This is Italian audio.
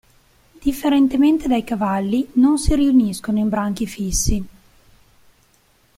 Differentemente dai cavalli non si riuniscono in branchi fissi.